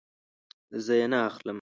زه یی نه اخلم